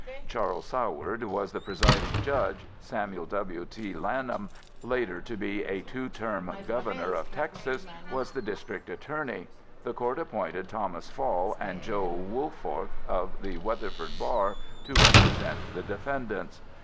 Charles Soward was the presiding judge. Samuel W. T. Lanham, later to be a two term Governor of Texas, was the district attorney. The court appointed Thomas Fall and Joe Woolfork of the Weatherford Bar to represent the defendants.